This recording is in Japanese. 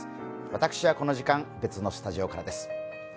私はこの時間、別のスタジオからです。